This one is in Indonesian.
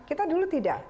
kita dulu tidak